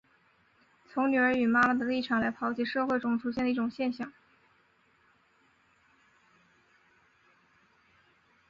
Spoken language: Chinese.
从女儿与妈妈的立场来剖析社会中出现的一些现象。